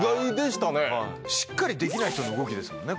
しっかりできない人の動きですもんね。